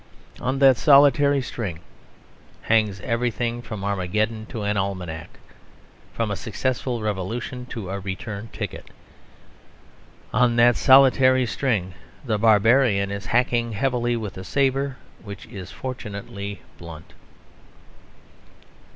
On that solitary string hangs everything from Armageddon to an almanac, from a successful revolution to a return ticket. On that solitary string the Barbarian is hacking heavily, with a sabre which is fortunately blunt.